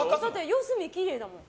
四隅きれいだもん。